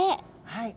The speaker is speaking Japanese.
はい。